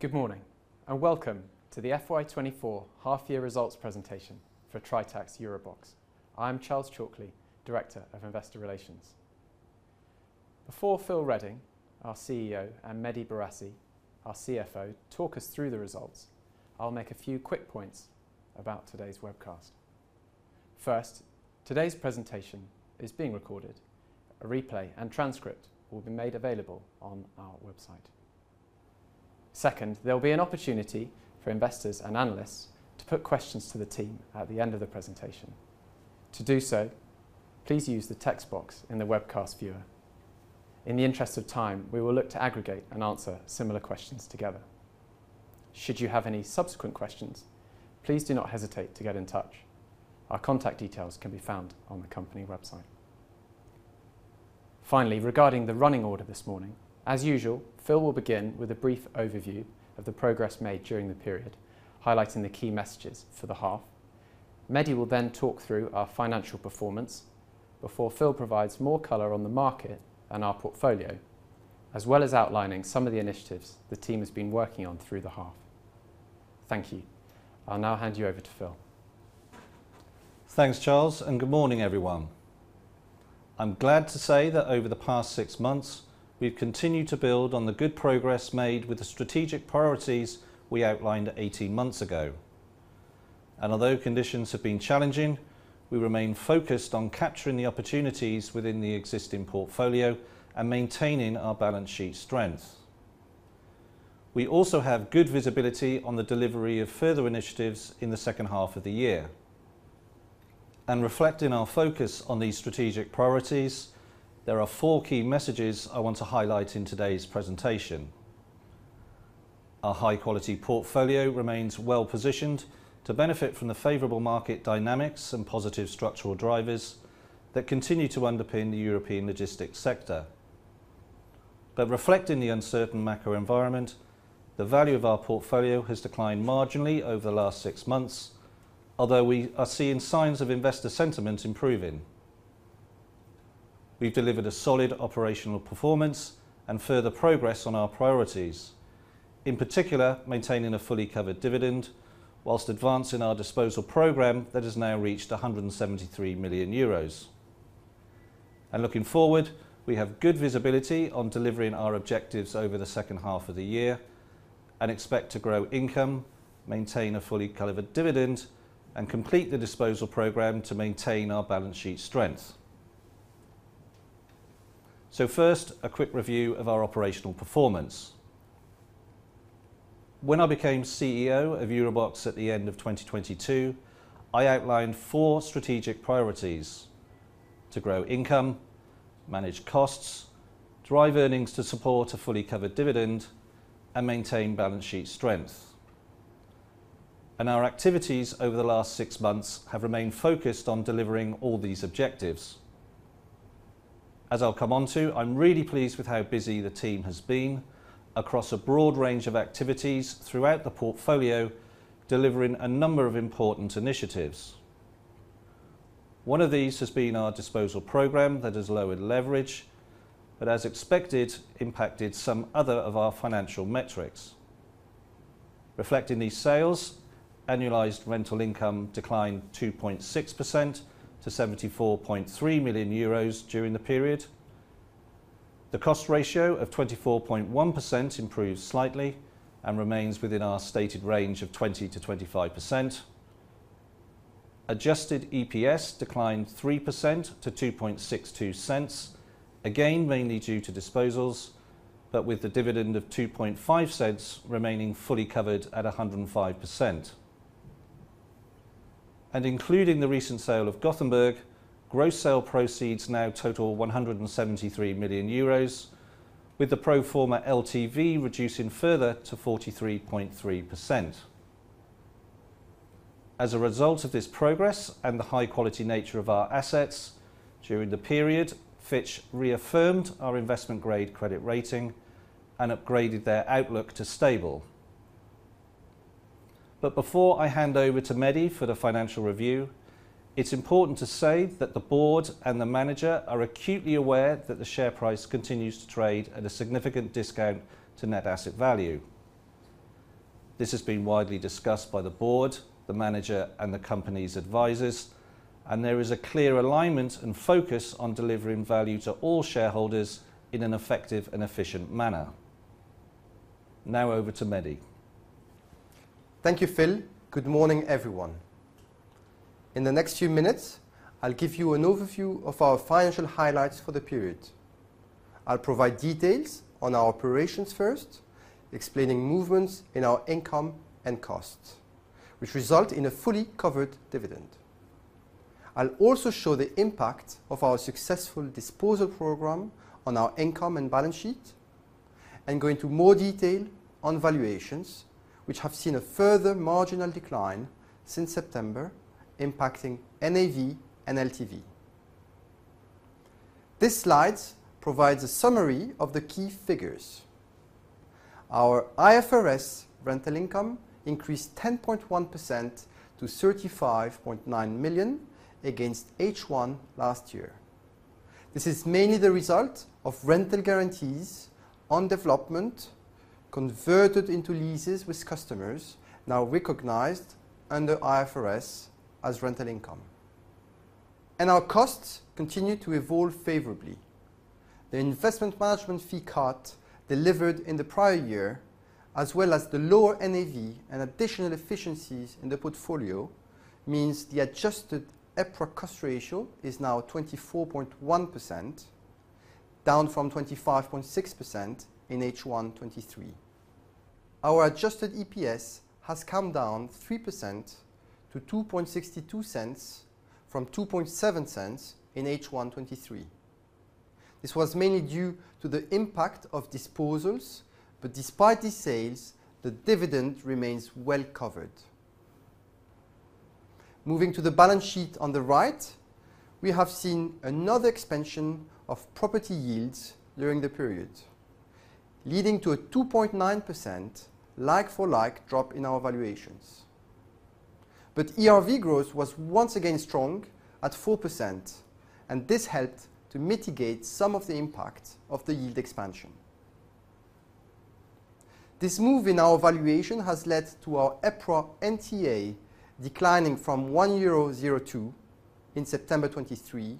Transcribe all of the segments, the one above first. Good morning, and welcome to the FY 2024 half-year results presentation for Tritax EuroBox. I'm Charles Chalkly, Director of Investor Relations. Before Phil Redding, our CEO, and Mehdi Bourassi, our CFO, talk us through the results, I'll make a few quick points about today's webcast. First, today's presentation is being recorded. A replay and transcript will be made available on our website. Second, there will be an opportunity for investors and analysts to put questions to the team at the end of the presentation. To do so, please use the text box in the webcast viewer. In the interest of time, we will look to aggregate and answer similar questions together. Should you have any subsequent questions, please do not hesitate to get in touch. Our contact details can be found on the company website. Finally, regarding the running order this morning, as usual, Phil will begin with a brief overview of the progress made during the period, highlighting the key messages for the half. Mehdi will then talk through our financial performance before Phil provides more color on the market and our portfolio, as well as outlining some of the initiatives the team has been working on through the half. Thank you. I'll now hand you over to Phil. Thanks, Charles, and good morning, everyone. I'm glad to say that over the past six months, we've continued to build on the good progress made with the strategic priorities we outlined 18 months ago. Although conditions have been challenging, we remain focused on capturing the opportunities within the existing portfolio and maintaining our balance sheet strength. We also have good visibility on the delivery of further initiatives in the second half of the year. Reflecting our focus on these strategic priorities, there are four key messages I want to highlight in today's presentation. Our high-quality portfolio remains well-positioned to benefit from the favorable market dynamics and positive structural drivers that continue to underpin the European logistics sector. Reflecting the uncertain macro environment, the value of our portfolio has declined marginally over the last six months, although we are seeing signs of investor sentiment improving. We've delivered a solid operational performance and further progress on our priorities, in particular, maintaining a fully covered dividend, while advancing our disposal program that has now reached 173 million euros. Looking forward, we have good visibility on delivering our objectives over the second half of the year and expect to grow income, maintain a fully covered dividend, and complete the disposal program to maintain our balance sheet strength. First, a quick review of our operational performance. When I became CEO of EuroBox at the end of 2022, I outlined four strategic priorities: to grow income, manage costs, drive earnings to support a fully covered dividend, and maintain balance sheet strength. Our activities over the last six months have remained focused on delivering all these objectives. As I'll come on to, I'm really pleased with how busy the team has been across a broad range of activities throughout the portfolio, delivering a number of important initiatives. One of these has been our disposal program that has lowered leverage, but as expected, impacted some other of our financial metrics. Reflecting these sales, annualized rental income declined 2.6% to 74.3 million euros during the period. The cost ratio of 24.1% improved slightly and remains within our stated range of 20%-25%. Adjusted EPS declined 3% to 2.62 cents, again, mainly due to disposals, but with the dividend of 2.5 cents remaining fully covered at 105%. Including the recent sale of Gothenburg, gross sale proceeds now total 173 million euros, with the pro forma LTV reducing further to 43.3%. As a result of this progress and the high-quality nature of our assets, during the period, Fitch reaffirmed our investment grade credit rating and upgraded their outlook to stable. Before I hand over to Mehdi for the financial review, it's important to say that the board and the manager are acutely aware that the share price continues to trade at a significant discount to net asset value. This has been widely discussed by the board, the manager, and the company's advisors, and there is a clear alignment and focus on delivering value to all shareholders in an effective and efficient manner. Now over to Mehdi. Thank you, Phil. Good morning, everyone. In the next few minutes, I'll give you an overview of our financial highlights for the period. I'll provide details on our operations first, explaining movements in our income and costs, which result in a fully covered dividend. I'll also show the impact of our successful disposal program on our income and balance sheet, and go into more detail on valuations, which have seen a further marginal decline since September, impacting NAV and LTV. This slide provides a summary of the key figures. Our IFRS rental income increased 10.1% to 35.9 million against H1 last year. This is mainly the result of rental guarantees on development converted into leases with customers, now recognized under IFRS as rental income. Our costs continue to evolve favorably. The investment management fee cut delivered in the prior year, as well as the lower NAV and additional efficiencies in the portfolio, means the Adjusted EPRA cost ratio is now 24.1%, down from 25.6% in H1 2023. Our Adjusted EPS has come down 3% to £0.0262 from £0.027 in H1 2023. This was mainly due to the impact of disposals, but despite these sales, the dividend remains well covered. Moving to the balance sheet on the right, we have seen another expansion of property yields during the period, leading to a 2.9% like-for-like drop in our valuations. But ERV growth was once again strong at 4%, and this helped to mitigate some of the impact of the yield expansion. This move in our valuation has led to our EPRA NTA declining from 1.02 euro in September 2023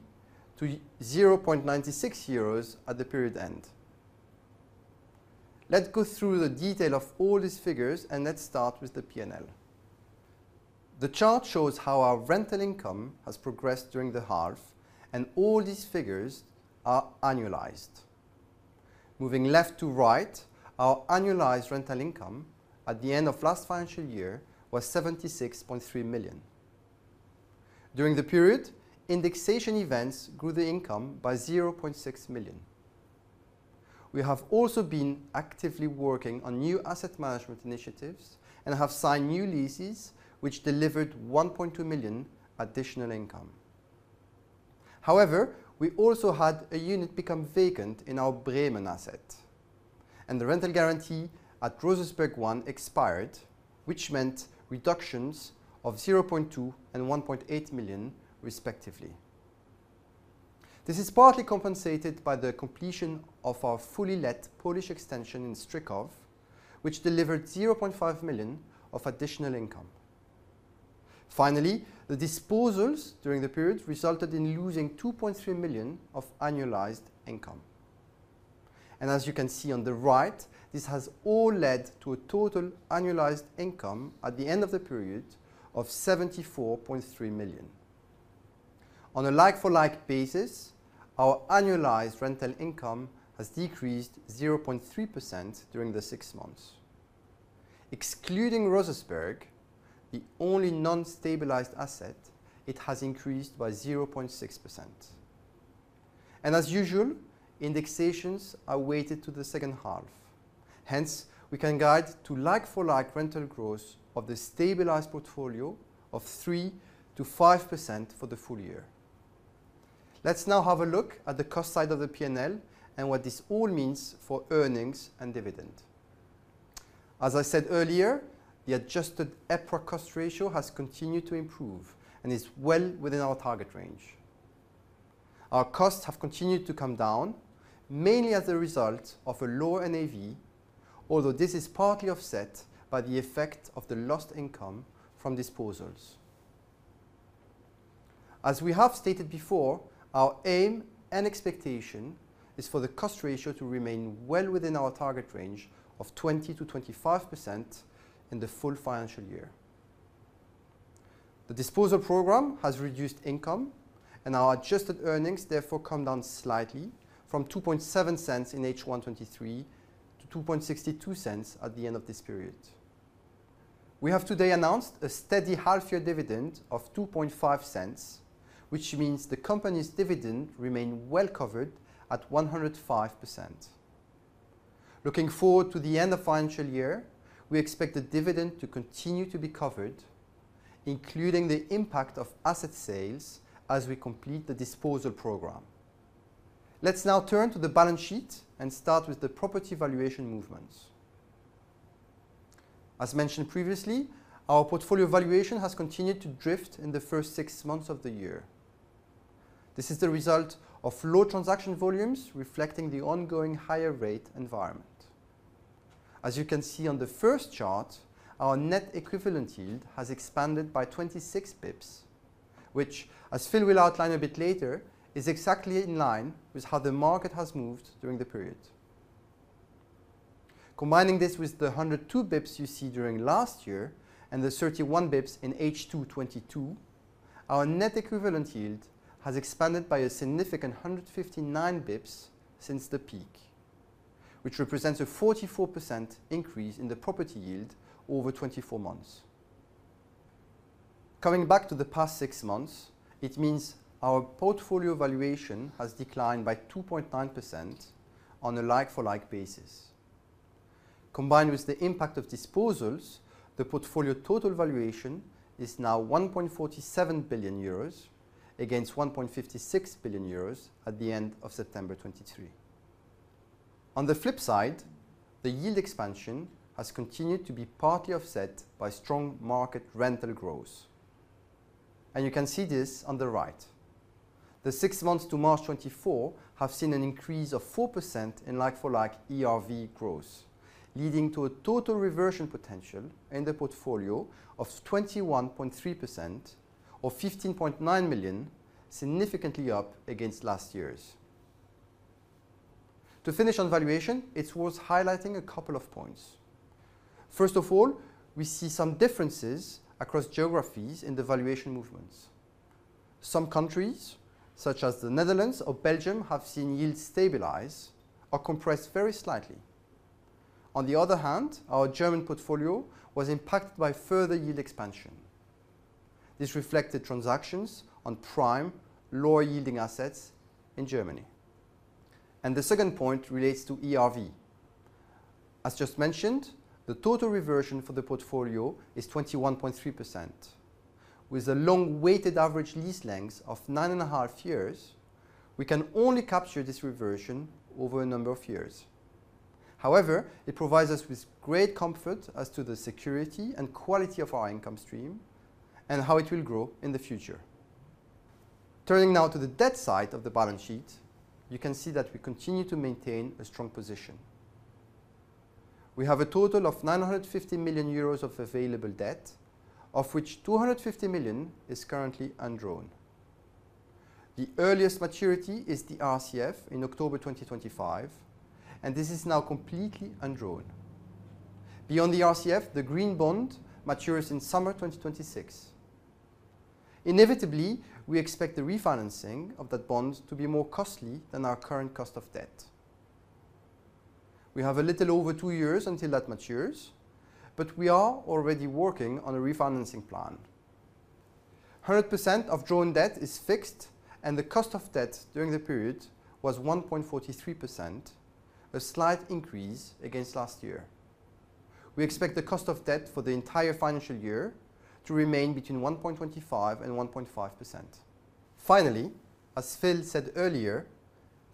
to 0.96 euros at the period end. Let's go through the detail of all these figures, and let's start with the P&L. The chart shows how our rental income has progressed during the half, and all these figures are annualized. Moving left to right, our annualized rental income at the end of last financial year was 76.3 million. During the period, indexation events grew the income by 0.6 million. We have also been actively working on new asset management initiatives and have signed new leases, which delivered 1.2 million additional income. However, we also had a unit become vacant in our Bremen asset, and the rental guarantee at Rosersberg One expired, which meant reductions of 0.2 million and 1.8 million, respectively. This is partly compensated by the completion of our fully let Polish extension in Strykow, which delivered 0.5 million of additional income. Finally, the disposals during the period resulted in losing 2.3 million of annualized income. And as you can see on the right, this has all led to a total annualized income at the end of the period of 74.3 million. On a like-for-like basis, our annualized rental income has decreased 0.3% during the six months. Excluding Rosersberg, the only non-stabilized asset, it has increased by 0.6%. As usual, indexations are weighted to the second half. Hence, we can guide to like-for-like rental growth of the stabilized portfolio of 3%-5% for the full year. Let's now have a look at the cost side of the P&L and what this all means for earnings and dividend. As I said earlier, the adjusted EPRA cost ratio has continued to improve and is well within our target range. Our costs have continued to come down, mainly as a result of a lower NAV, although this is partly offset by the effect of the lost income from disposals. As we have stated before, our aim and expectation is for the cost ratio to remain well within our target range of 20%-25% in the full financial year. The disposal program has reduced income, and our adjusted earnings therefore come down slightly from 0.027 in H1 2023 to 0.0262 at the end of this period. We have today announced a steady half-year dividend of 0.025, which means the company's dividend remain well covered at 105%. Looking forward to the end of financial year, we expect the dividend to continue to be covered, including the impact of asset sales as we complete the disposal program. Let's now turn to the balance sheet and start with the property valuation movements. As mentioned previously, our portfolio valuation has continued to drift in the first six months of the year. This is the result of low transaction volumes, reflecting the ongoing higher rate environment. As you can see on the first chart, our net equivalent yield has expanded by 26 basis points, which, as Phil will outline a bit later, is exactly in line with how the market has moved during the period. Combining this with the 102 basis points you see during last year and the 31 basis points in H2 2022, our net equivalent yield has expanded by a significant 159 basis points since the peak, which represents a 44% increase in the property yield over 24 months. Coming back to the past six months, it means our portfolio valuation has declined by 2.9% on a like-for-like basis. Combined with the impact of disposals, the portfolio total valuation is now 1.47 billion euros, against 1.56 billion euros at the end of September 2023.... On the flip side, the yield expansion has continued to be partly offset by strong market rental growth. You can see this on the right. The six months to March 2024 have seen an increase of 4% in like-for-like ERV growth, leading to a total reversion potential in the portfolio of 21.3%, or 15.9 million, significantly up against last year's. To finish on valuation, it's worth highlighting a couple of points. First of all, we see some differences across geographies in the valuation movements. Some countries, such as the Netherlands or Belgium, have seen yields stabilize or compress very slightly. On the other hand, our German portfolio was impacted by further yield expansion. This reflected transactions on prime, lower-yielding assets in Germany. The second point relates to ERV. As just mentioned, the total reversion for the portfolio is 21.3%. With a long weighted average lease length of 9.5 years, we can only capture this reversion over a number of years. However, it provides us with great comfort as to the security and quality of our income stream and how it will grow in the future. Turning now to the debt side of the balance sheet, you can see that we continue to maintain a strong position. We have a total of 950 million euros of available debt, of which 250 million is currently undrawn. The earliest maturity is the RCF in October 2025, and this is now completely undrawn. Beyond the RCF, the green bond matures in summer 2026. Inevitably, we expect the refinancing of that bond to be more costly than our current cost of debt. We have a little over two years until that matures, but we are already working on a refinancing plan. 100% of drawn debt is fixed, and the cost of debt during the period was 1.43%, a slight increase against last year. We expect the cost of debt for the entire financial year to remain between 1.25% and 1.5%. Finally, as Phil said earlier,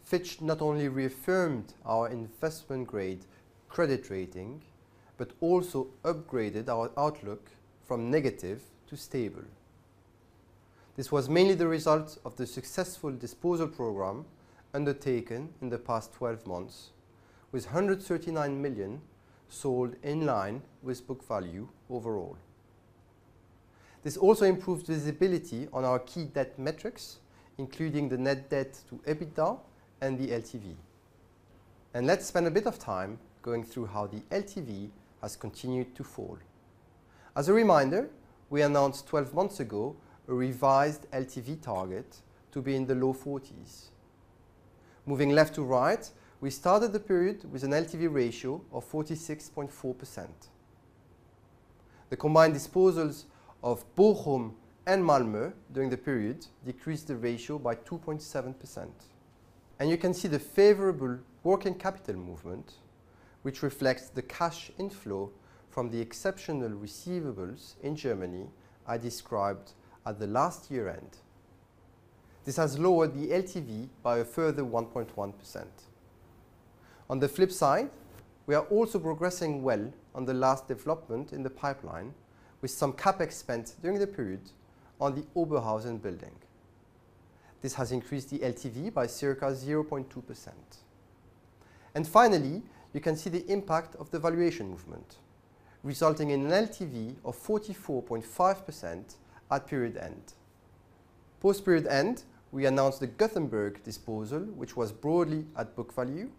Fitch not only reaffirmed our investment-grade credit rating but also upgraded our outlook from negative to stable. This was mainly the result of the successful disposal program undertaken in the past 12 months, with 139 million sold in line with book value overall. This also improved visibility on our key debt metrics, including the net debt to EBITDA and the LTV. Let's spend a bit of time going through how the LTV has continued to fall. As a reminder, we announced 12 months ago a revised LTV target to be in the low 40s. Moving left to right, we started the period with an LTV ratio of 46.4%. The combined disposals of Bochum and Malmö during the period decreased the ratio by 2.7%. And you can see the favorable working capital movement, which reflects the cash inflow from the exceptional receivables in Germany I described at the last year-end. This has lowered the LTV by a further 1.1%. On the flip side, we are also progressing well on the last development in the pipeline, with some CapEx spent during the period on the Oberhausen building. This has increased the LTV by circa 0.2%. Finally, you can see the impact of the valuation movement, resulting in an LTV of 44.5% at period end. Post-period end, we announced the Gothenburg disposal, which was broadly at book value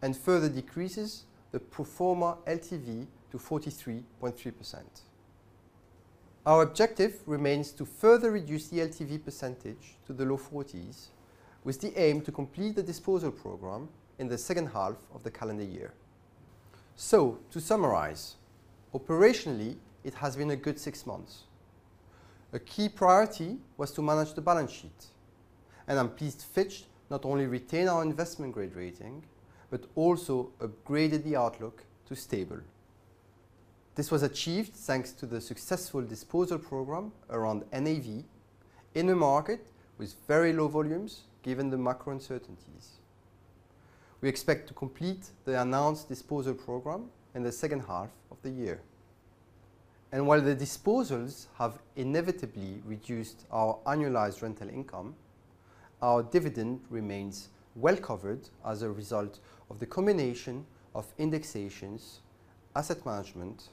and further decreases the pro forma LTV to 43.3%. Our objective remains to further reduce the LTV percentage to the low 40s, with the aim to complete the disposal program in the second half of the calendar year. To summarize, operationally, it has been a good six months. A key priority was to manage the balance sheet, and I'm pleased Fitch not only retained our investment-grade rating but also upgraded the outlook to stable. This was achieved thanks to the successful disposal program around NAV in a market with very low volumes, given the macro uncertainties. We expect to complete the announced disposal program in the second half of the year. And while the disposals have inevitably reduced our annualized rental income, our dividend remains well covered as a result of the combination of indexations, asset management,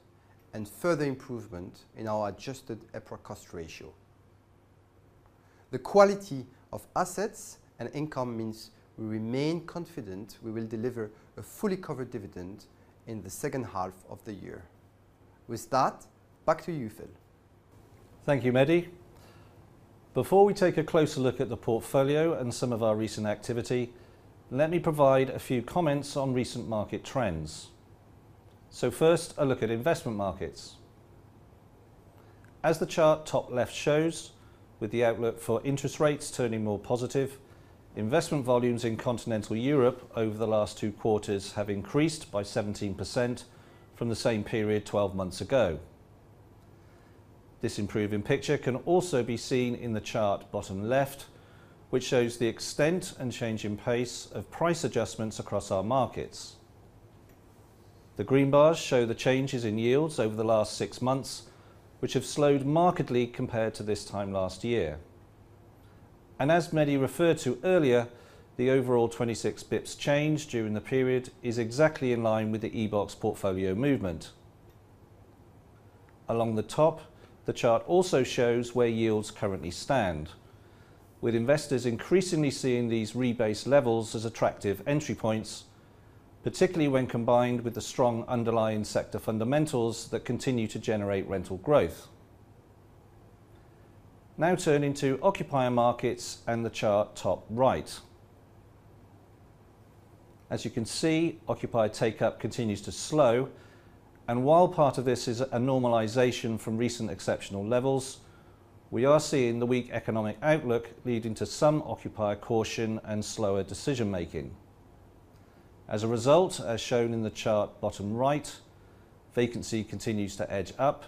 and further improvement in our Adjusted EPRA cost ratio. The quality of assets and income means we remain confident we will deliver a fully covered dividend in the second half of the year. With that, back to you, Phil. Thank you, Mehdi. Before we take a closer look at the portfolio and some of our recent activity, let me provide a few comments on recent market trends. First, a look at investment markets. As the chart top left shows, with the outlook for interest rates turning more positive, investment volumes in Continental Europe over the last 2 quarters have increased by 17% from the same period 12 months ago. This improving picture can also be seen in the chart bottom left, which shows the extent and change in pace of price adjustments across our markets. The green bars show the changes in yields over the last 6 months, which have slowed markedly compared to this time last year. And as Mehdi referred to earlier, the overall 26 basis points change during the period is exactly in line with the eBox portfolio movement. Along the top, the chart also shows where yields currently stand, with investors increasingly seeing these rebase levels as attractive entry points, particularly when combined with the strong underlying sector fundamentals that continue to generate rental growth. Now turning to occupier markets and the chart top right. As you can see, occupier take-up continues to slow, and while part of this is a normalization from recent exceptional levels, we are seeing the weak economic outlook leading to some occupier caution and slower decision making. As a result, as shown in the chart bottom right, vacancy continues to edge up,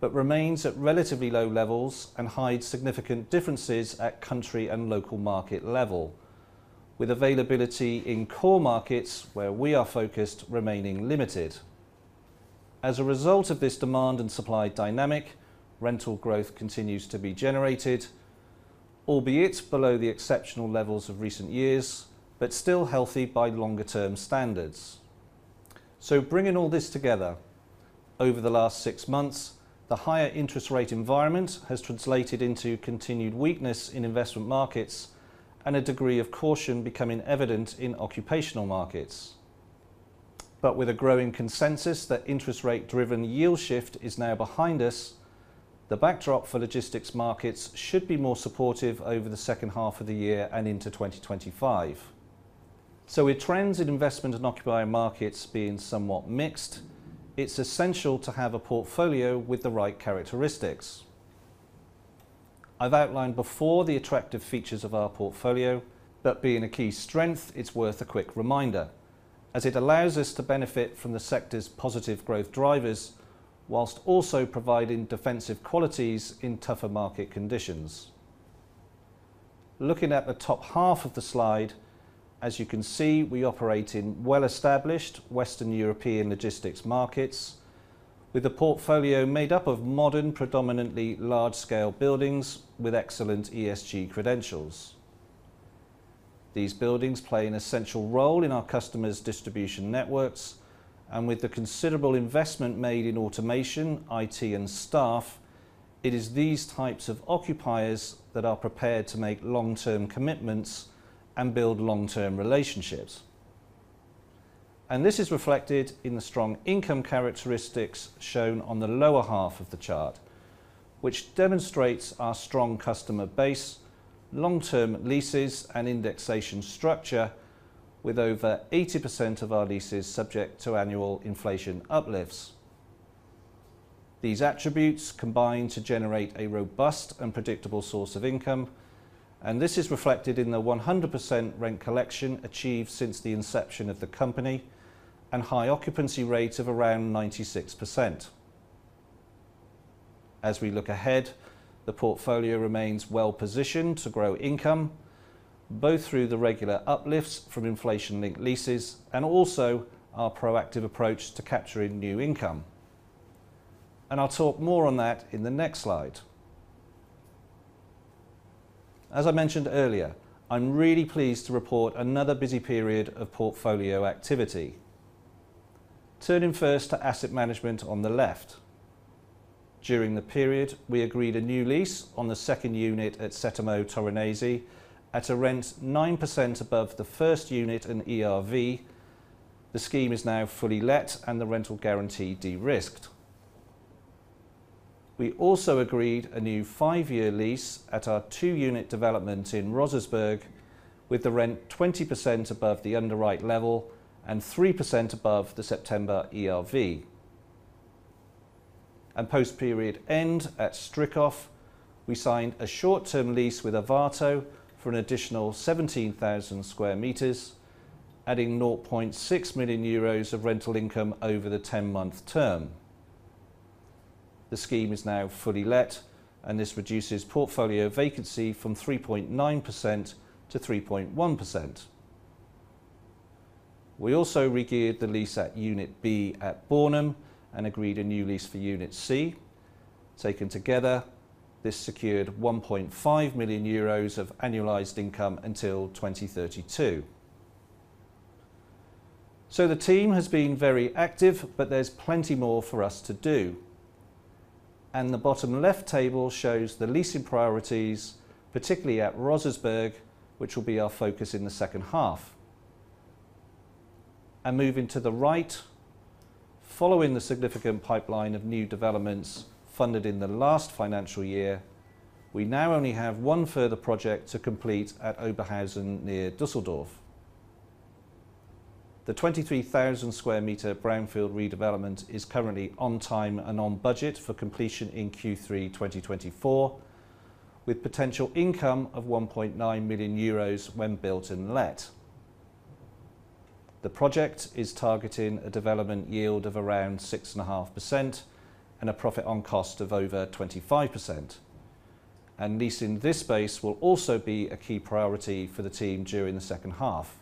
but remains at relatively low levels and hides significant differences at country and local market level, with availability in core markets where we are focused remaining limited. As a result of this demand and supply dynamic, rental growth continues to be generated, albeit below the exceptional levels of recent years, but still healthy by longer term standards. So bringing all this together, over the last six months, the higher interest rate environment has translated into continued weakness in investment markets and a degree of caution becoming evident in occupational markets. But with a growing consensus, that interest rate-driven yield shift is now behind us, the backdrop for logistics markets should be more supportive over the second half of the year and into 2025. So with trends in investment and occupier markets being somewhat mixed, it's essential to have a portfolio with the right characteristics. I've outlined before the attractive features of our portfolio, but being a key strength, it's worth a quick reminder, as it allows us to benefit from the sector's positive growth drivers, while also providing defensive qualities in tougher market conditions. Looking at the top half of the slide, as you can see, we operate in well-established Western European logistics markets, with a portfolio made up of modern, predominantly large-scale buildings with excellent ESG credentials. These buildings play an essential role in our customers' distribution networks, and with the considerable investment made in automation, IT, and staff, it is these types of occupiers that are prepared to make long-term commitments and build long-term relationships. And this is reflected in the strong income characteristics shown on the lower half of the chart, which demonstrates our strong customer base, long-term leases, and indexation structure with over 80% of our leases subject to annual inflation uplifts. These attributes combine to generate a robust and predictable source of income, and this is reflected in the 100% rent collection achieved since the inception of the company and high occupancy rates of around 96%. As we look ahead, the portfolio remains well-positioned to grow income, both through the regular uplifts from inflation-linked leases and also our proactive approach to capturing new income. And I'll talk more on that in the next slide. As I mentioned earlier, I'm really pleased to report another busy period of portfolio activity. Turning first to asset management on the left. During the period, we agreed a new lease on the second unit at Settimo Torinese at a rent 9% above the first unit in ERV. The scheme is now fully let, and the rental guarantee de-risked. We also agreed a new five-year lease at our two-unit development in Rosersberg, with the rent 20% above the underwrite level and 3% above the September ERV. Post-period end, at Strykow, we signed a short-term lease with Arvato for an additional 17,000 square meters, adding 0.6 million euros of rental income over the ten-month term. The scheme is now fully let, and this reduces portfolio vacancy from 3.9% to 3.1%. We also regeared the lease at Unit B at Bornem and agreed a new lease for Unit C. Taken together, this secured 1.5 million euros of annualized income until 2032. So the team has been very active, but there's plenty more for us to do. And the bottom left table shows the leasing priorities, particularly at Rosersberg, which will be our focus in the second half. And moving to the right, following the significant pipeline of new developments funded in the last financial year, we now only have one further project to complete at Oberhausen, near Düsseldorf. The 23,000 sq m brownfield redevelopment is currently on time and on budget for completion in Q3 2024, with potential income of 1.9 million euros when built and let. The project is targeting a development yield of around 6.5% and a profit on cost of over 25%. Leasing this space will also be a key priority for the team during the second half.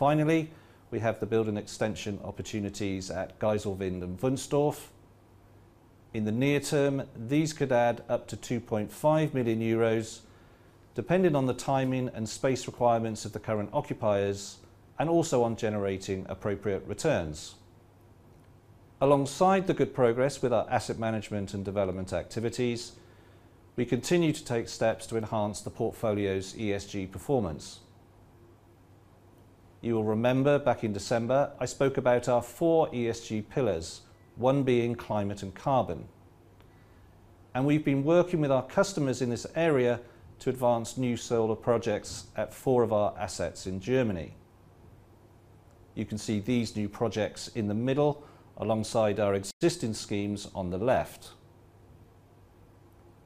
Finally, we have the building extension opportunities at Geiselwind and Wunstorf. In the near term, these could add up to 2.5 million euros, depending on the timing and space requirements of the current occupiers, and also on generating appropriate returns. Alongside the good progress with our asset management and development activities, we continue to take steps to enhance the portfolio's ESG performance. You will remember back in December, I spoke about our four ESG pillars, one being climate and carbon, and we've been working with our customers in this area to advance new solar projects at four of our assets in Germany. You can see these new projects in the middle alongside our existing schemes on the left.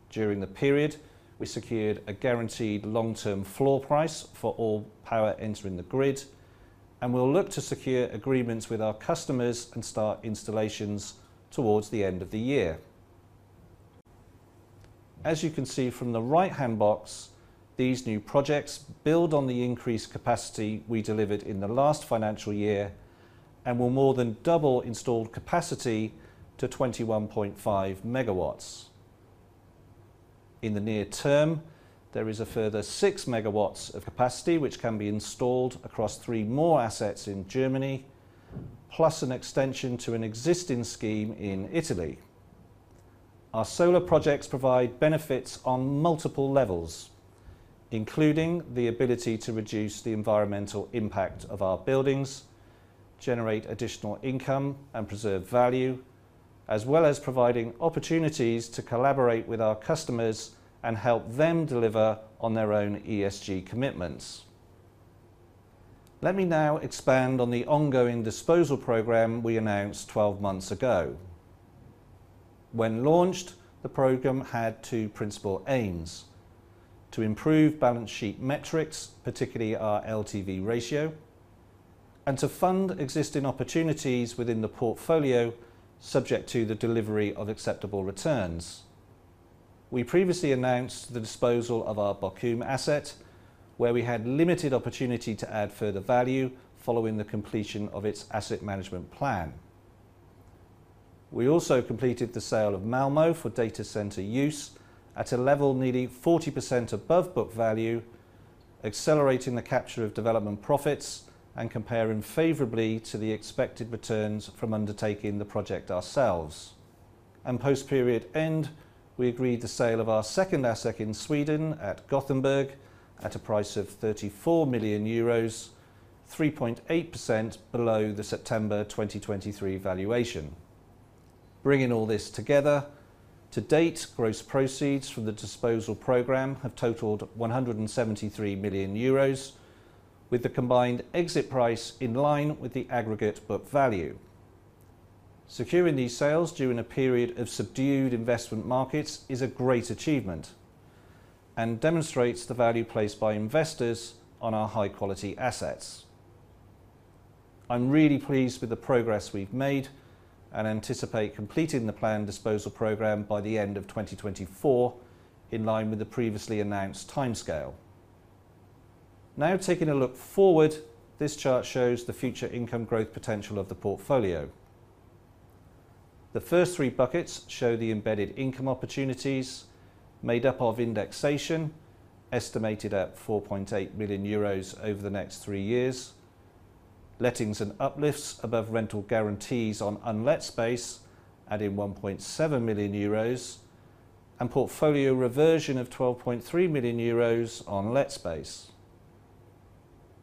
During the period, we secured a guaranteed long-term floor price for all power entering the grid, and we'll look to secure agreements with our customers and start installations towards the end of the year. As you can see from the right-hand box, these new projects build on the increased capacity we delivered in the last financial year and will more than double installed capacity to 21.5 MW. In the near term, there is a further 6 MW of capacity which can be installed across three more assets in Germany, plus an extension to an existing scheme in Italy. Our solar projects provide benefits on multiple levels, including the ability to reduce the environmental impact of our buildings, generate additional income, and preserve value, as well as providing opportunities to collaborate with our customers and help them deliver on their own ESG commitments. Let me now expand on the ongoing disposal program we announced 12 months ago. When launched, the program had two principal aims: to improve balance sheet metrics, particularly our LTV ratio, and to fund existing opportunities within the portfolio, subject to the delivery of acceptable returns. We previously announced the disposal of our Bochum asset, where we had limited opportunity to add further value following the completion of its asset management plan. We also completed the sale of Malmö for data center use at a level nearly 40% above book value, accelerating the capture of development profits and comparing favorably to the expected returns from undertaking the project ourselves. Post-period end, we agreed the sale of our second asset in Sweden at Gothenburg at a price of 34 million euros, 3.8% below the September 2023 valuation. Bringing all this together, to date, gross proceeds from the disposal program have totaled 173 million euros, with the combined exit price in line with the aggregate book value. Securing these sales during a period of subdued investment markets is a great achievement and demonstrates the value placed by investors on our high-quality assets. I'm really pleased with the progress we've made and anticipate completing the planned disposal program by the end of 2024, in line with the previously announced timescale. Now, taking a look forward, this chart shows the future income growth potential of the portfolio. The first three buckets show the embedded income opportunities made up of indexation, estimated at 4.8 million euros over the next three years, lettings and uplifts above rental guarantees on unlet space, adding 1.7 million euros, and portfolio reversion of 12.3 million euros on let space.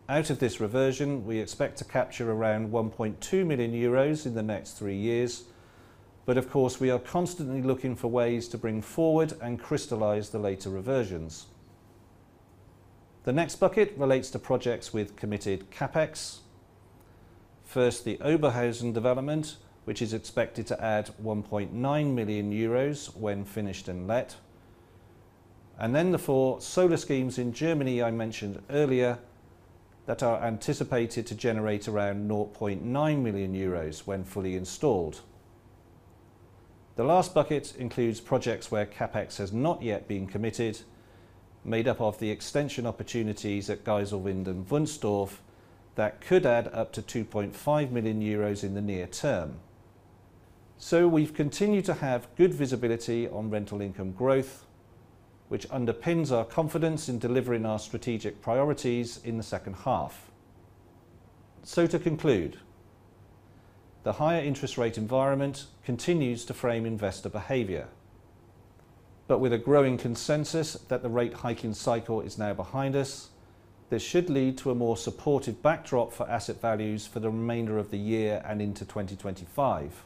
Out of this reversion, we expect to capture around 1.2 million euros in the next three years. But of course, we are constantly looking for ways to bring forward and crystallize the later reversions. The next bucket relates to projects with committed CapEx. First, the Oberhausen development, which is expected to add 1.9 million euros when finished and let, and then the four solar schemes in Germany I mentioned earlier that are anticipated to generate around 0.9 million euros when fully installed. The last bucket includes projects where CapEx has not yet been committed, made up of the extension opportunities at Geiselwind and Wunstorf that could add up to 2.5 million euros in the near term. So we've continued to have good visibility on rental income growth, which underpins our confidence in delivering our strategic priorities in the second half. So to conclude, the higher interest rate environment continues to frame investor behavior. But with a growing consensus that the rate hiking cycle is now behind us, this should lead to a more supportive backdrop for asset values for the remainder of the year and into 2025.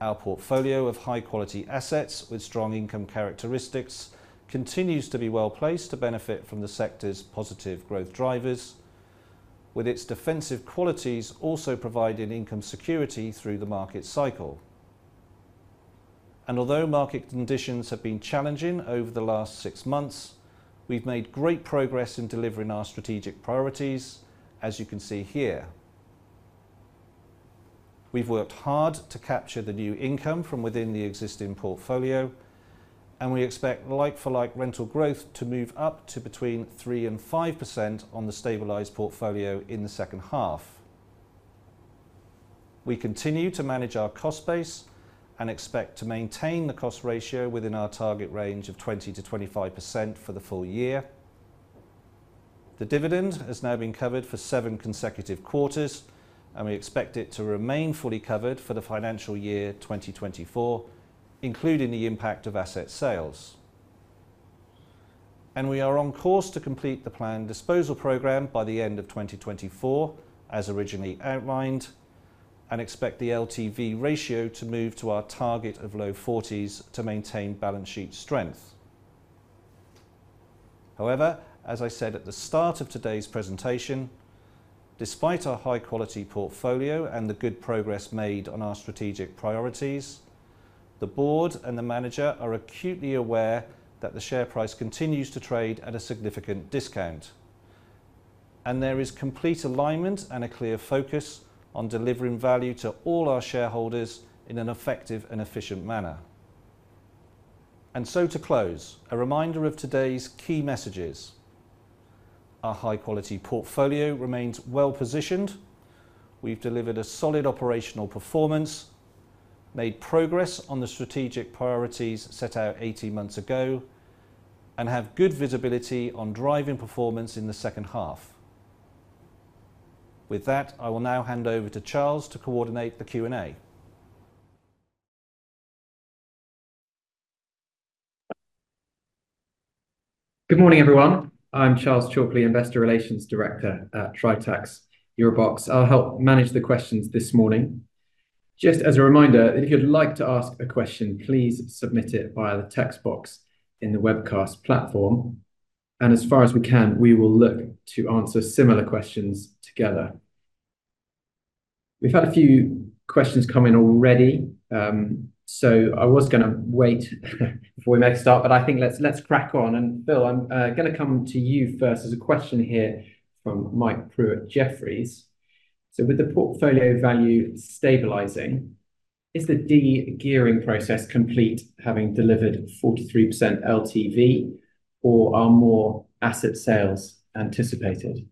Our portfolio of high-quality assets with strong income characteristics continues to be well-placed to benefit from the sector's positive growth drivers, with its defensive qualities also providing income security through the market cycle. Although market conditions have been challenging over the last six months, we've made great progress in delivering our strategic priorities, as you can see here. We've worked hard to capture the new income from within the existing portfolio, and we expect like-for-like rental growth to move up to between 3% and 5% on the stabilized portfolio in the second half. We continue to manage our cost base and expect to maintain the cost ratio within our target range of 20%-25% for the full year. The dividend has now been covered for seven consecutive quarters, and we expect it to remain fully covered for the financial year 2024, including the impact of asset sales. We are on course to complete the planned disposal program by the end of 2024, as originally outlined, and expect the LTV ratio to move to our target of low 40s to maintain balance sheet strength. However, as I said at the start of today's presentation, despite our high-quality portfolio and the good progress made on our strategic priorities, the board and the manager are acutely aware that the share price continues to trade at a significant discount, and there is complete alignment and a clear focus on delivering value to all our shareholders in an effective and efficient manner. So, to close, a reminder of today's key messages. Our high-quality portfolio remains well-positioned. We've delivered a solid operational performance, made progress on the strategic priorities set out 18 months ago, and have good visibility on driving performance in the second half. With that, I will now hand over to Charles to coordinate the Q&A. Good morning, everyone. I'm Charles Chalkly, Investor Relations Director at Tritax EuroBox. I'll help manage the questions this morning. Just as a reminder, if you'd like to ask a question, please submit it via the text box in the webcast platform, and as far as we can, we will look to answer similar questions together. We've had a few questions come in already, so I was gonna wait before we make a start, but I think let's crack on. Phil, I'm gonna come to you first. There's a question here from Mike Prew at Jefferies. "So with the portfolio value stabilizing, is the de-gearing process complete, having delivered 43% LTV, or are more asset sales anticipated?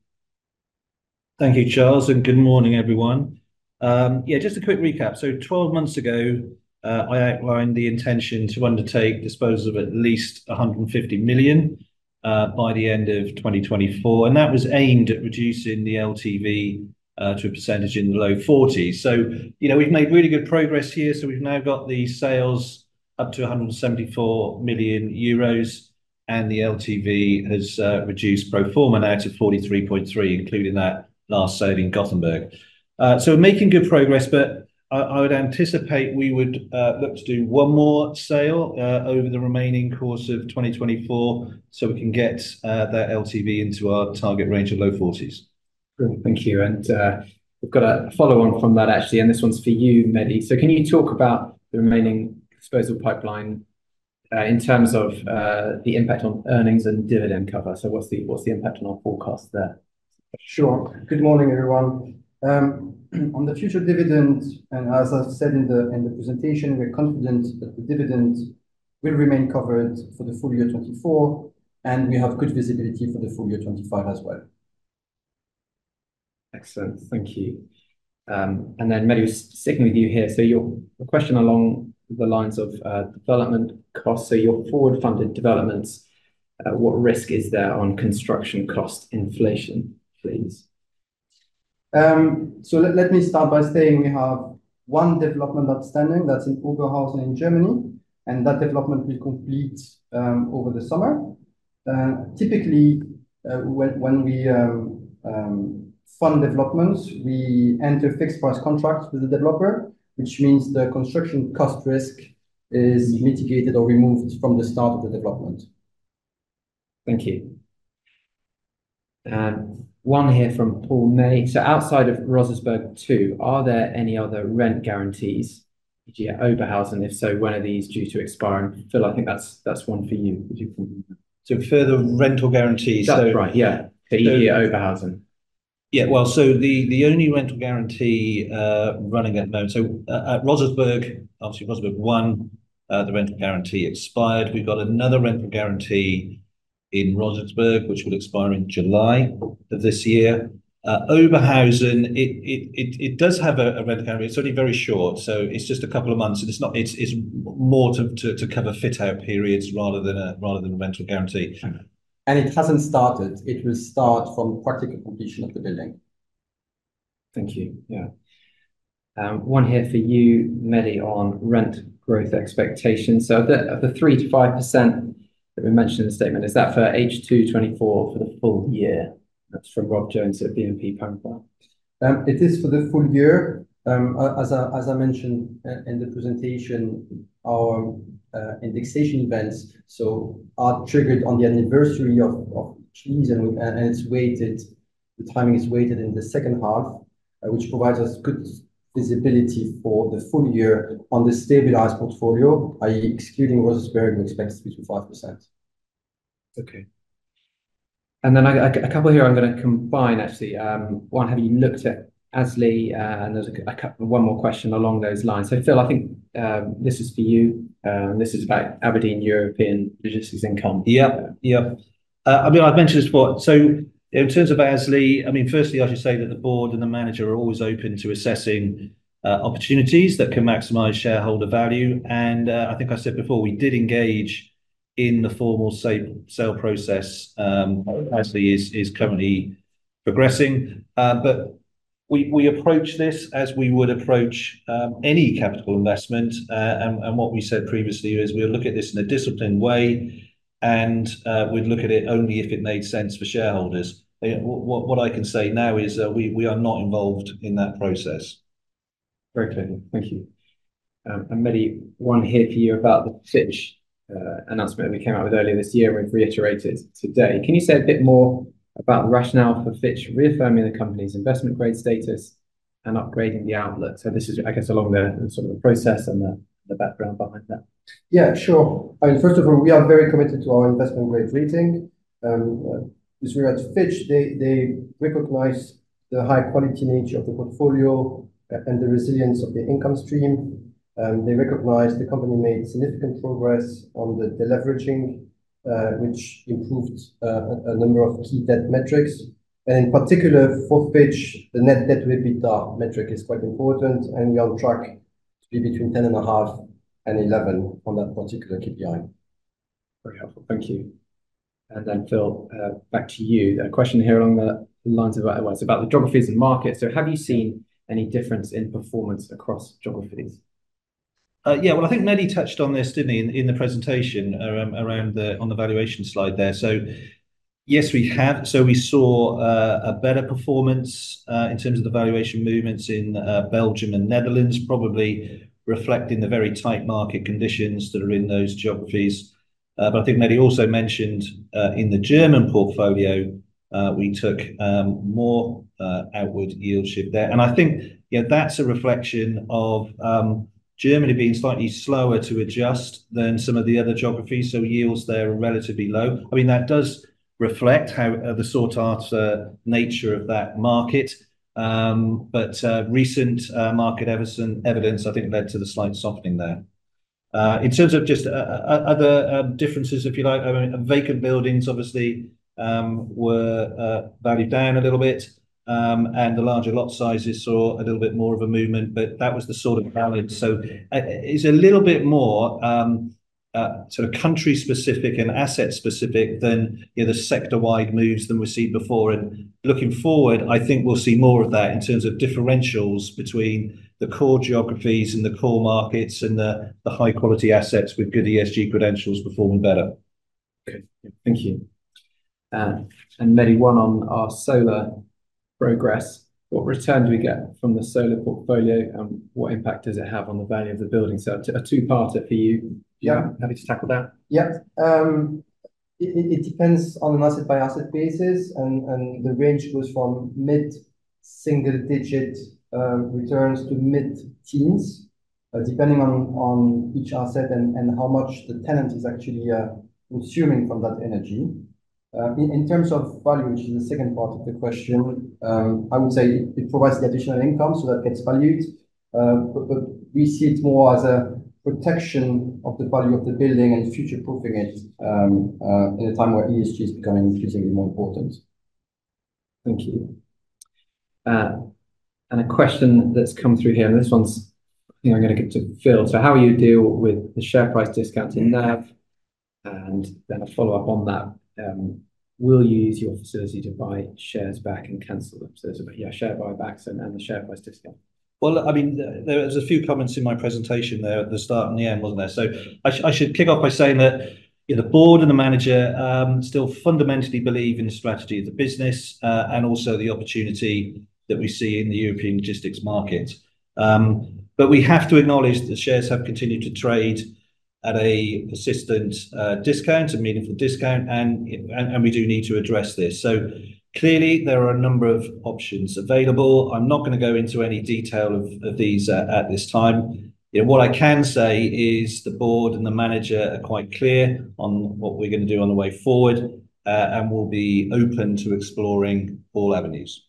Thank you, Charles, and good morning, everyone. Yeah, just a quick recap. So 12 months ago, I outlined the intention to undertake disposal of at least 150 million, by the end of 2024, and that was aimed at reducing the LTV, to a percentage in the low 40s. So, you know, we've made really good progress here. So we've now got the sales up to 174 million euros, and the LTV has reduced pro forma now to 43.3%, including that last sale in Gothenburg. So we're making good progress, but I, I would anticipate we would look to do one more sale, over the remaining course of 2024, so we can get that LTV into our target range of low 40s. Great, thank you. And, we've got a follow-on from that, actually, and this one's for you, Mehdi. "So can you talk about the remaining disposal pipeline, in terms of, the impact on earnings and dividend cover? So what's the, what's the impact on our forecast there? Sure. Good morning, everyone. On the future dividend, and as I said in the presentation, we're confident that the dividend will remain covered for the full year 2024, and we have good visibility for the full year 2025 as well. Excellent. Thank you. And then, Mehdi, sticking with you here, so your a question along the lines of, development costs. "So your forward-funded developments, what risk is there on construction cost inflation please? So let me start by saying we have one development outstanding. That's in Oberhausen in Germany, and that development will complete over the summer. Typically, when we fund developments, we enter fixed price contracts with the developer, which means the construction cost risk is mitigated or removed from the start of the development. Thank you. One here from Paul May: "So outside of Rosersberg Two, are there any other rent guarantees, e.g., Oberhausen? If so, when are these due to expiring?" Phil, I think that's, that's one for you, if you can- So further rental guarantees? That's right, yeah. So- For the Oberhausen. Yeah. Well, so the only rental guarantee running at the moment. So, at Rosersberg, obviously, Rosersberg One, the rental guarantee expired. We've got another rental guarantee in Rosersberg, which will expire in July of this year. Oberhausen, it does have a rental guarantee. It's only very short, so it's just a couple of months. It's not. It's more to cover fit-out periods rather than a rental guarantee. Okay. It hasn't started. It will start from practical completion of the building. Thank you. Yeah. One here for you, Mehdi, on rent growth expectations: "So, of the 3%-5% that we mentioned in the statement, is that for H2 2024 or for the full year?" That's from Rob Jones at BNP Paribas. It is for the full year. As I mentioned in the presentation, our indexation events are triggered on the anniversary of keys, and it's weighted—the timing is weighted in the second half, which provides us good visibility for the full year on the stabilized portfolio, i.e., excluding Rosersberg, we expect to be between 5%. Okay. And then a couple here I'm gonna combine, actually. One, have you looked at ASLI? And there's one more question along those lines. So Phil, I think, this is for you, this is about abrdn European Logistics Income. Yep, yep. I mean, I've mentioned this before. So in terms of ASLI, I mean, firstly, I should say that the board and the manager are always open to assessing opportunities that can maximize shareholder value. And I think I said before, we did engage in the formal sale process. ASLI is currently progressing. But we approach this as we would approach any capital investment. And what we said previously is we'll look at this in a disciplined way, and we'd look at it only if it made sense for shareholders. What I can say now is that we are not involved in that process. Very clear. Thank you. And Mehdi, one here for you about the Fitch announcement that we came out with earlier this year, we've reiterated today. Can you say a bit more about the rationale for Fitch reaffirming the company's investment grade status and upgrading the outlook? So this is, I guess, along the sort of process and the background behind that. Yeah, sure. I mean, first of all, we are very committed to our investment grade rating. As we are to Fitch, they, they recognize the high quality nature of the portfolio and the resilience of the income stream. They recognize the company made significant progress on the deleveraging, which improved a number of key debt metrics. And in particular, for Fitch, the net debt with EBITDA metric is quite important, and we are on track to be between 10.5 and 11 on that particular KPI. Very helpful, thank you. And then, Phil, back to you. A question here along the lines about, well, it's about the geographies and markets. So have you seen any difference in performance across geographies? Yeah. Well, I think Mehdi touched on this, didn't he, in the presentation, around the valuation slide there. So yes, we have. So we saw a better performance in terms of the valuation movements in Belgium and Netherlands, probably reflecting the very tight market conditions that are in those geographies. But I think Mehdi also mentioned in the German portfolio, we took more outward yield shift there. And I think, yeah, that's a reflection of Germany being slightly slower to adjust than some of the other geographies, so yields there are relatively low. I mean, that does reflect how the sought after nature of that market. But recent market evidence, I think, led to the slight softening there. In terms of just, other differences, if you like, I mean, vacant buildings obviously were valued down a little bit, and the larger lot sizes saw a little bit more of a movement, but that was the sort of balance. So, it's a little bit more, sort of country specific and asset specific than, you know, the sector-wide moves than we've seen before. And looking forward, I think we'll see more of that in terms of differentials between the core geographies and the core markets, and the high quality assets with good ESG credentials performing better. Okay, thank you. And Mehdi, one on our solar progress. What return do we get from the solar portfolio, and what impact does it have on the value of the building? So a two-parter for you. Yeah. Happy to tackle that? Yeah. It depends on an asset-by-asset basis, and the range goes from mid-single digit returns to mid-teens, depending on each asset and how much the tenant is actually consuming from that energy. In terms of value, which is the second part of the question, I would say it provides the additional income, so that gets valued. But we see it more as a protection of the value of the building and future-proofing it, in a time where ESG is becoming increasingly more important. Thank you. And a question that's come through here, and this one's, you know, I'm gonna give to Phil. So how will you deal with the share price discount in NAV? And then a follow-up on that: Will you use your facility to buy shares back and cancel them? So it's about, yeah, share buybacks and, and the share price discount. Well, I mean, there, there's a few comments in my presentation there at the start and the end, wasn't there? So I should, I should kick off by saying that, you know, the board and the manager still fundamentally believe in the strategy of the business, and also the opportunity that we see in the European logistics market. But we have to acknowledge that shares have continued to trade at a persistent discount, a meaningful discount, and, and, and we do need to address this. So clearly, there are a number of options available. I'm not gonna go into any detail of, of these at, at this time. You know, what I can say is the board and the manager are quite clear on what we're gonna do on the way forward, and we'll be open to exploring all avenues.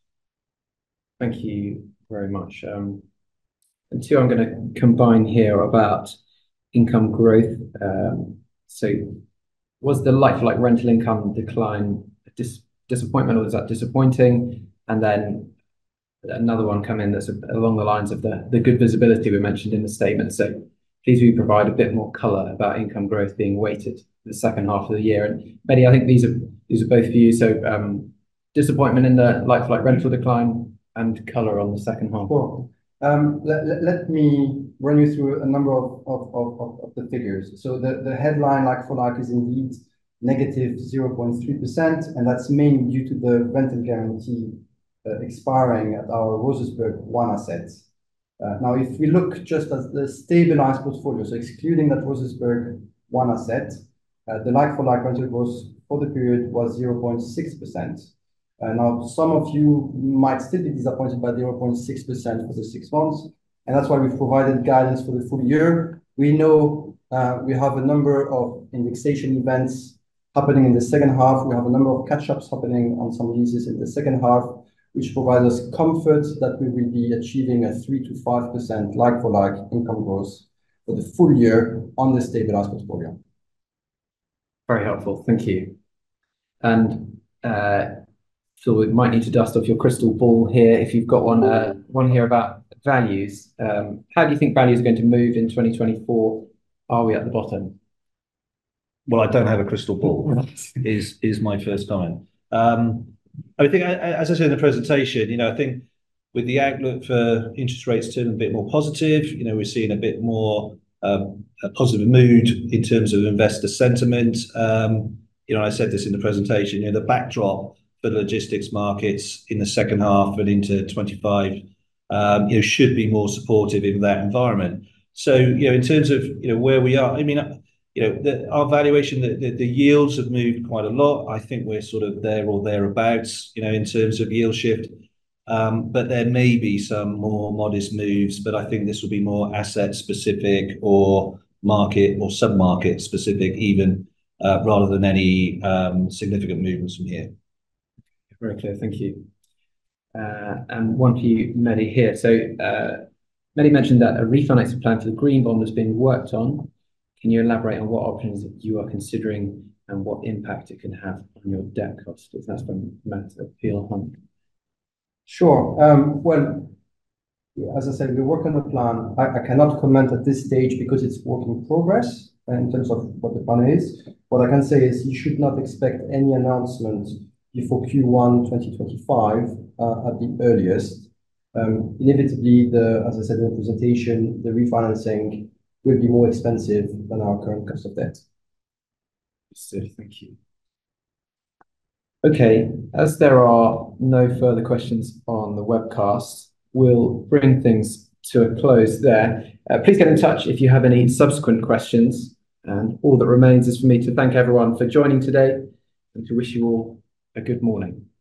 Thank you very much. And two, I'm gonna combine here about income growth. So was the like-for-like rental income decline disappointment, or was that disappointing? And then another one come in that's along the lines of the good visibility we mentioned in the statement. So please, will you provide a bit more color about income growth being weighted the second half of the year? And Mehdi, I think these are both for you. So, disappointment in the like-for-like rental decline and color on the second half. Well, let me run you through a number of the figures. So the headline like-for-like is indeed negative 0.3%, and that's mainly due to the rental guarantee expiring at our Rosersberg one asset. Now if we look just at the stabilized portfolio, so excluding that Rosersberg one asset, the like-for-like growth for the period was 0.6%. Now some of you might still be disappointed by the 0.6% for the six months, and that's why we've provided guidance for the full year. We know we have a number of indexation events happening in the second half. We have a number of catch-ups happening on some leases in the second half, which provides us comfort that we will be achieving a 3%-5% like-for-like income growth for the full year on the stable asset portfolio. Very helpful. Thank you. And, so we might need to dust off your crystal ball here if you've got one. One here about values. How do you think values are going to move in 2024? Are we at the bottom? Well, I don't have a crystal ball, is my first line. I think as I said in the presentation, you know, I think with the outlook for interest rates turning a bit more positive, you know, we're seeing a bit more a positive mood in terms of investor sentiment. You know, I said this in the presentation, you know, the backdrop for the logistics markets in the second half and into 2025, you know, should be more supportive in that environment. So, you know, in terms of, you know, where we are, I mean, you know, our valuation, the yields have moved quite a lot. I think we're sort of there or thereabouts, you know, in terms of yield shift. There may be some more modest moves, but I think this will be more asset specific or market or sub-market specific even, rather than any significant movements from here. Very clear. Thank you. One for you, Mehdi, here. Mehdi mentioned that a refinancing plan for the green bond is being worked on. Can you elaborate on what options you are considering, and what impact it can have on your debt cost? If that's when], appeal on. Sure. Well, as I said, we work on a plan. I cannot comment at this stage because it's work in progress in terms of what the plan is. What I can say is you should not expect any announcement before Q1 2025 at the earliest. Inevitably, as I said in the presentation, the refinancing will be more expensive than our current cost of debt. Thank you. Okay, as there are no further questions on the webcast, we'll bring things to a close there. Please get in touch if you have any subsequent questions, and all that remains is for me to thank everyone for joining today and to wish you all a good morning.